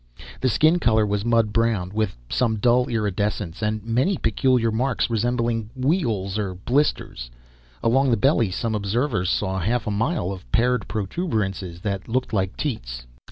The skin color was mud brown with some dull iridescence and many peculiar marks resembling weals or blisters. Along the belly some observers saw half a mile of paired protuberances that looked like teats.